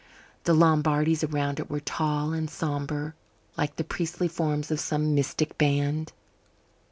The Lombardies around it were tall and sombre like the priestly forms of some mystic band.